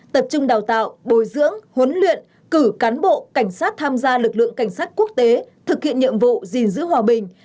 tập trung đào tạo bồi dưỡng huấn luyện cử cán bộ cảnh sát tham gia lực lượng cảnh sát quốc tế thực hiện nhiệm vụ gìn giữ hòa bình